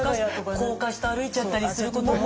高架下歩いちゃったりすることも。